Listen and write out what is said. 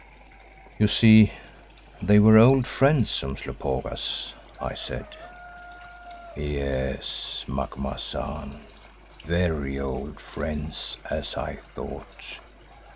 "You see, they were old friends, Umslopogaas," I said. "Yes, Macumazahn, very old friends as I thought.